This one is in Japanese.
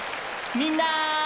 みんな！